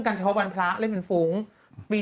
เป็นการกระตุ้นการไหลเวียนของเลือด